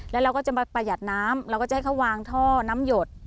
แล้วเราก็จะมาประหยัดน้ำเราก็จะให้เขาวางท่อน้ำหยด